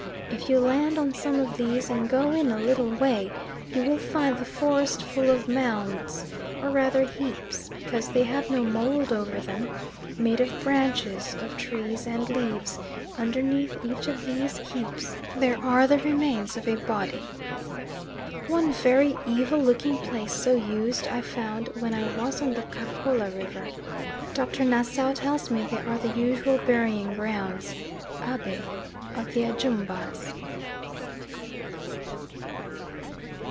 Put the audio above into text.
If you land on some of these and go in a little way you will find the forest full of mounds or rather heaps, because they have no mould over them made of branches of trees and leaves; underneath each of these heaps there are the remains of a body. One very evil looking place so used I found when I was on the Karkola river. Dr. Nassau tells me they are the usual burying grounds (Abe) of the Ajumbas.